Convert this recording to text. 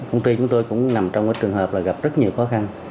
công ty chúng tôi cũng nằm trong trường hợp là gặp rất nhiều khó khăn